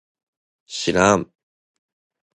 しらん